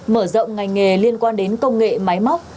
mở rộng ngành nghề liên quan đến công nghệ máy móc